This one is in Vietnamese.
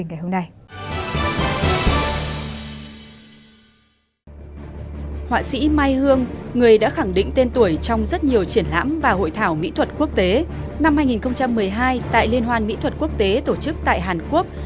năm hai nghìn một mươi hai tại liên hoàn mỹ thuật quốc tế tổ chức tại hàn quốc